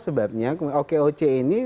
sebabnya okoc ini